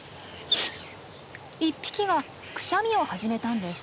一匹がクシャミを始めたんです。